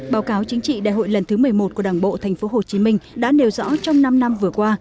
báo cáo chính trị đại hội lần thứ một mươi một của đảng bộ tp hcm đã nêu rõ trong năm năm vừa qua